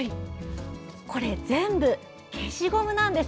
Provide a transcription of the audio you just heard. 全部消しゴムなんです。